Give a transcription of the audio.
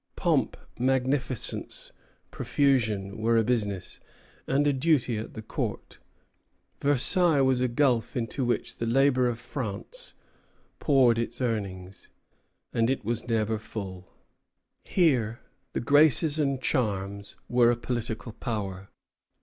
Pomp, magnificence, profusion, were a business and a duty at the Court. Versailles was a gulf into which the labor of France poured its earnings; and it was never full. Here the graces and charms were a political power.